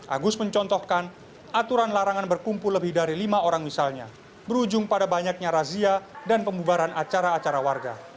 agus mencontohkan aturan larangan berkumpul lebih dari lima orang misalnya berujung pada banyaknya razia dan pembubaran acara acara warga